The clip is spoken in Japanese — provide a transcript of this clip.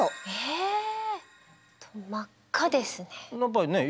え真っ赤ですね。